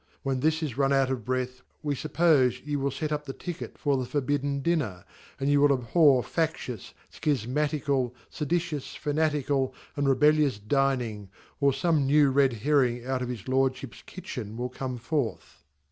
Wen this is run out of breath, we fuppofc ye will fet up the Ticket for the Forbidden Dinner , and ye will abhor FaUious, Schifmatical, Seditious, Fanatical, and Rebel Ttoits Dining, or feme new Red Herring out of his Lordjhipi jtitchin wi/l come forth.